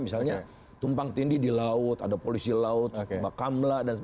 misalnya tumpang tindi di laut ada polisi laut mbak kamla